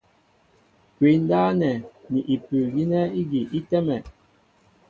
Kwǐ ndáp nɛ́ ni ipu' gínɛ́ ígi í tɛ́mɛ.